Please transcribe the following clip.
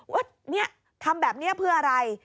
ว่านี่ทำแบบนี้เพื่ออะไร